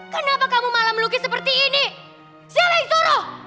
kenapa kamu malah melukis seperti ini siapa yang suruh